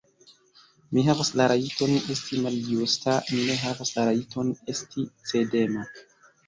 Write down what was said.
Mi havas la rajton esti maljusta; mi ne havas la rajton esti cedema.